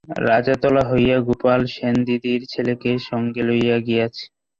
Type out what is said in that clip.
রাজাতলা হইয়া গোপাল সেনদিদির ছেলেকে সঙ্গে লইয়া গিয়াছে।